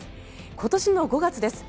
今年の５月です。